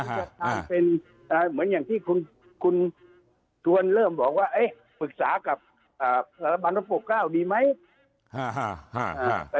าเป็นเนี้ยเหมือนอย่างที่คุณคุณทุนเริ่มบอกว่าเอ๊พัทรบันทบบเก้าดีไหมฮ่าฮ่า